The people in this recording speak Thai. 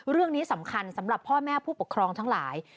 เรื่องนี้สำคัญสำหรับพ่อแม่ผู้ปกครองทั้งหลาย